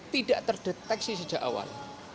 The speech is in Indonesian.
tidak terdeteksi sejak awal